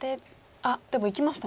あっでもいきました。